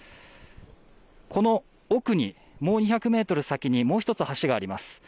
この奥に、もう２００メートル先にもう１つ橋があります。